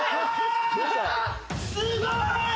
すごい！